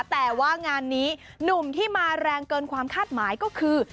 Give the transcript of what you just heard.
แต่ว่างานนี้หนุ่มที่มาแรงเกินความคาดหมายก็คือ